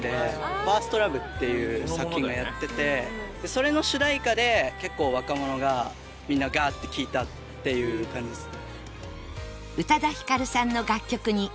それの主題歌で結構若者がみんなガーッて聴いたっていう感じですね。